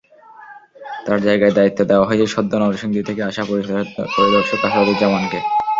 তাঁর জায়গায় দায়িত্ব দেওয়া হয়েছে সদ্য নরসিংদী থেকে আসা পরিদর্শক আসাদুজ্জামানকে।